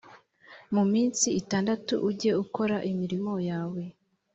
mu minsi itandatu ujye ukora imirimo yawe